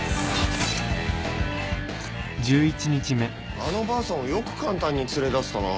あのばあさんをよく簡単に連れ出せたなぁ。